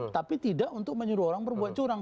tapi tidak untuk menyuruh orang berbuat curang